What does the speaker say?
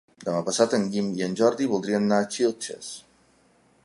Demà passat en Guim i en Jordi voldrien anar a Xilxes.